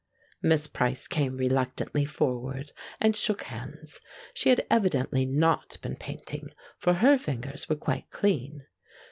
Miss Price came reluctantly forward and shook hands; she had evidently not been painting, for her fingers were quite clean.